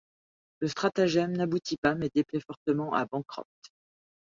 Le stratagème n'aboutit pas, mais déplaît fortement à Bancroft.